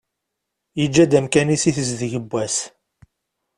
Yeǧǧa-d amkan-is i tezdeg n wass.